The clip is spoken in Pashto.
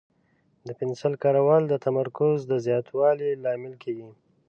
د پنسل کارول د تمرکز د زیاتوالي لامل کېږي.